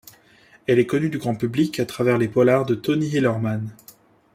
Elle est connue du grand public à travers les polars de Tony Hillerman.